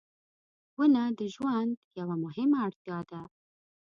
• ونه د ژوند یوه مهمه اړتیا ده.